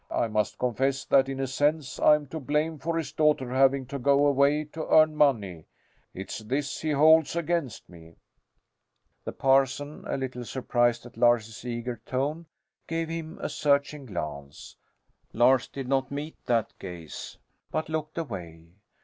I must confess that in a sense I'm to blame for his daughter having to go away to earn money. It's this he holds against me." The parson, a little surprised at Lars's eager tone, gave him a searching glance. Lars did not meet that gaze, but looked away.